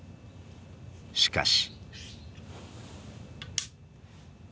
しかし。